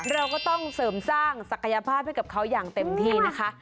เราก็ต้องเสริมสร้างศักยภาพให้กับเขาอย่างเต็มที่นะคะ